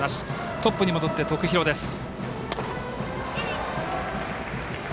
トップに戻って徳弘です。